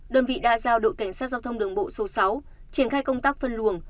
đơn vị đã giao đội cảnh sát giao thông đường bộ số sáu triển khai công tác phân luồng